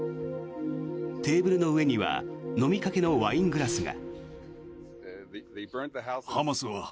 テーブルの上には飲みかけのワイングラスが。